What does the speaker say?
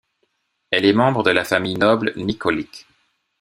Elle est membre de la famille noble Nikolić.